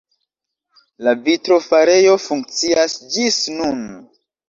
La vitrofarejo funkcias ĝis nun.